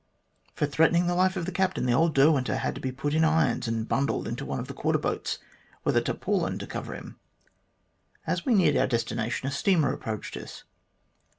For threatening the life of the captain, the old Derwenter had to be put in irons and bundled into one of the quarter boats, with a tarpaulin to cover him. As we neared our destination a steamer approached us.